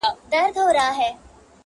په رسنيو کي موضوع ورو ورو کمه سي راپور,